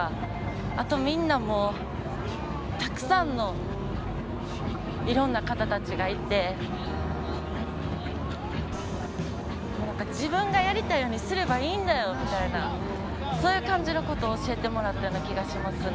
あとみんなもうたくさんのいろんな方たちがいて自分がやりたいようにすればいいんだよみたいなそういう感じの事を教えてもらったような気がしますね。